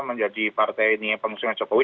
menjadi partai ini pengusungnya jokowi